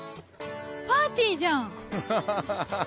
パーティーじゃん。